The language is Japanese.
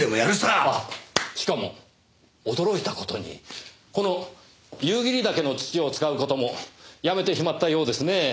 あっしかも驚いた事にこの夕霧岳の土を使う事もやめてしまったようですねぇ。